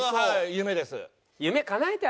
夢です。